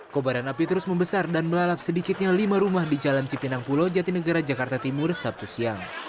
kobaran api terus membesar dan melalap sedikitnya lima rumah di jalan cipinang pulau jatinegara jakarta timur sabtu siang